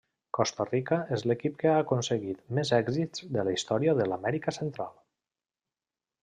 Costa Rica és l'equip que ha aconseguit més èxits de la història de l'Amèrica central.